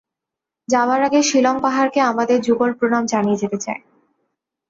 যাবার আগে শিলঙ পাহাড়কে আমাদের যুগল প্রণাম জানিয়ে যেতে চাই।